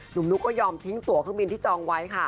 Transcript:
นุ๊กก็ยอมทิ้งตัวเครื่องบินที่จองไว้ค่ะ